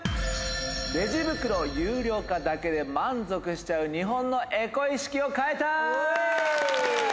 レジ袋有料化だけで満足をしちゃう日本のエコ意識を変えたい。